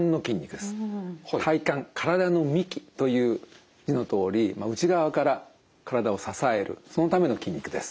体幹体の幹という字のとおり内側から体を支えるそのための筋肉です。